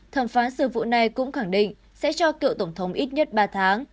thẩm phán sự vụ này cũng khẳng định sẽ cho cựu tổng thống ít nhất ba tháng